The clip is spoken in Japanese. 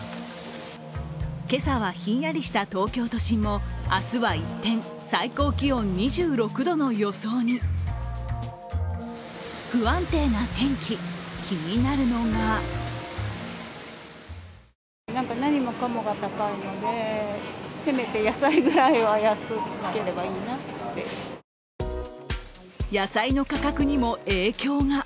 今朝はひんやりした東京都心も明日は一転、最高気温２６度の予想に不安定な天気、気になるのが野菜の価格にも影響が。